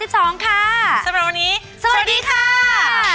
สำหรับวันนี้สวัสดีค่ะ